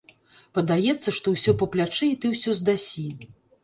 Падаецца, што ўсё па плячы і ты ўсё здасі.